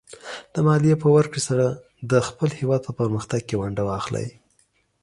د مالیې په ورکړې سره د خپل هېواد په پرمختګ کې ونډه واخلئ.